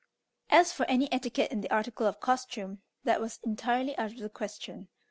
As for any etiquette in the article of costume, that was entirely out of the question.